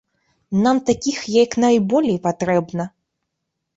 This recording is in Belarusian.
Нам такіх як найболей патрэбна.